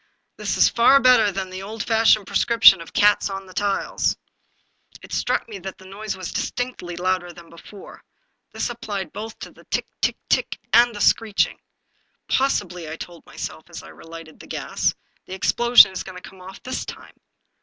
This is far better than the old fashioned prescription of cats on the tiles." It struck me the noise was distinctly louder than before ; this applied both to the tick, tick, tick, and the screeching. " Possibly," I told myself, as I relighted the gas, " the explosion is to come off this time."